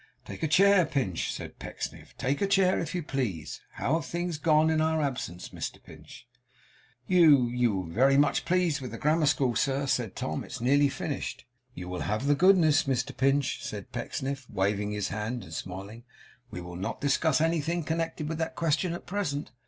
'Take a chair, Pinch,' said Pecksniff. 'Take a chair, if you please. How have things gone on in our absence, Mr Pinch?' 'You you will be very much pleased with the grammar school, sir,' said Tom. 'It's nearly finished.' 'If you will have the goodness, Mr Pinch,' said Pecksniff, waving his hand and smiling, 'we will not discuss anything connected with that question at present.